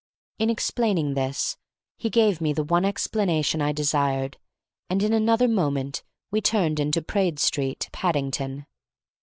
In explaining this he gave me the one explanation I desired, and in another moment we turned into Praed Street, Paddington.